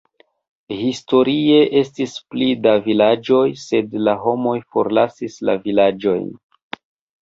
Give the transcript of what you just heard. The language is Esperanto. Historie estis pli da vilaĝoj, sed la homoj forlasis la vilaĝojn.